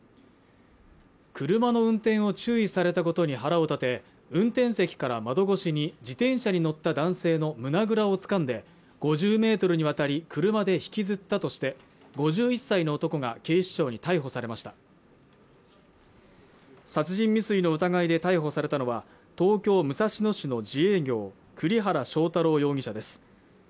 車の運転を注意されたことに腹を立て運転席から窓越しに自転車に乗った男性の胸ぐらをつかんで５０Ｍにわたり車で引きずったとして５１歳の男が警視庁に逮捕されました殺人未遂の疑いで逮捕されたのは東京・武蔵野市の自営業、栗原正太郎容疑者です